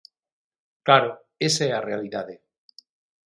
Claro, esa é a realidade.